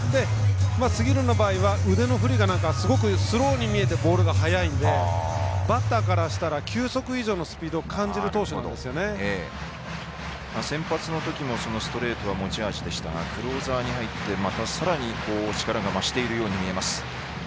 杉浦の場合は腕の振りがスローに見えてボールが速いのでバッターからしたら球速以上のスピードを感じる先発のときもストレートが持ち味ですがクローザーに入ってまたさらに力が増しているように見えます。